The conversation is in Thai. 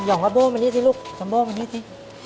ย่องกับโบมมันที่สิลูกจำโบมมันที่สิ